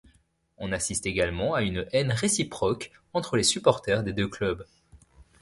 On assiste également à une haine réciproque entre les supporters des deux clubs.